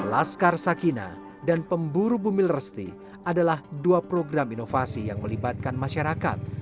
laskar sakina dan pemburu bumil resti adalah dua program inovasi yang melibatkan masyarakat